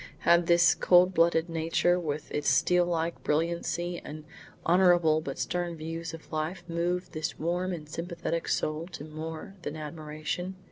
Had this cold blooded nature, with its steel like brilliancy and honourable but stern views of life, moved this warm and sympathetic soul to more than admiration?